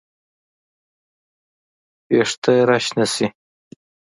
وېښته راشنه شي